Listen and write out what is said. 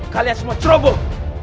kalian semua ceroboh